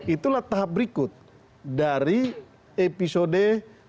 itulah tahap berikut dari episode